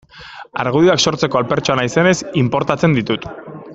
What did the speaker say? Argudioak sortzeko alfertxoa naizenez, inportatzen ditut.